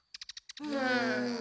うん。